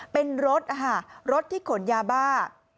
เป็นรถรถที่ขนยาบ้า